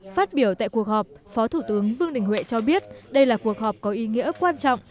phát biểu tại cuộc họp phó thủ tướng vương đình huệ cho biết đây là cuộc họp có ý nghĩa quan trọng